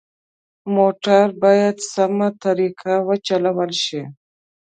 موټر باید سمه طریقه وچلول شي.